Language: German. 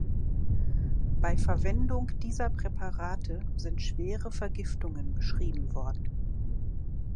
Bei Verwendung dieser Präparate sind schwere Vergiftungen beschrieben worden.